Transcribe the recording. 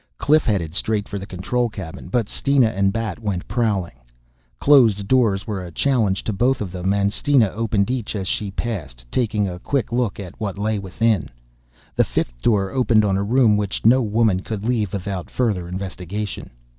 Cliff headed straight for the control cabin but Steena and Bat went prowling. Closed doors were a challenge to both of them and Steena opened each as she passed, taking a quick look at what lay within. The fifth door opened on a room which no woman could leave without further investigation.